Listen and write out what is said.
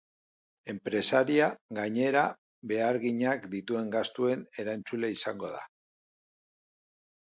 Enpresaria, gainera, beharginak dituen gastuen erantzule izango da.